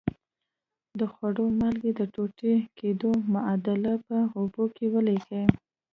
د خوړو مالګې د ټوټه کیدو معادله په اوبو کې ولیکئ.